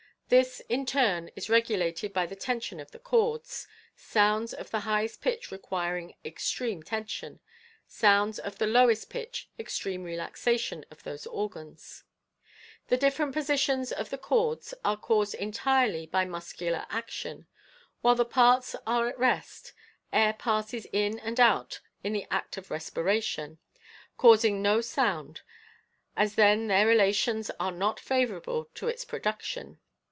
This, in turn, is regulated by the tension of the cords ; sounds of the highest pitch requiring ex AND VOCAL ILLUSIONS. 55 treme tension, sounds of the lowest pitch extreme relaxation of those organs. The different positions of the cords are caused entirely by muscular action. While the parts are at rest, air passes in and out in the act of respiration, causing no sound, as then their relations are not favorable to its production.